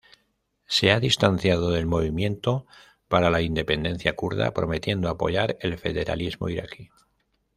Se ha distanciado del movimiento para la independencia kurda, prometiendo apoyar el federalismo iraquí.